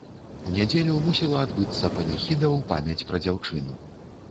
У нядзелю мусіла адбыцца паніхіда ў памяць пра дзяўчыну.